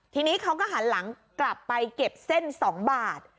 ทีนี้เขาก็หันหลังกลับไปเก็บเส้น๒บาท